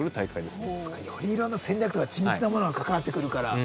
そうか。よりいろんな戦略とか緻密なものが関わってくるから。